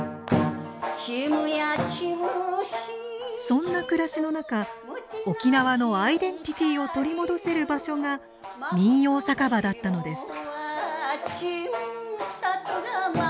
そんな暮らしの中沖縄のアイデンティティーを取り戻せる場所が民謡酒場だったのです。